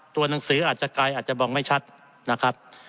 ตัวหนังสืออาจจะไกลอาจจะมองไม่ชัดนะครับ